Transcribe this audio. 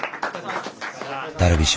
ダルビッシュ